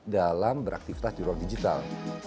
dalam beraktivitas di ruang digital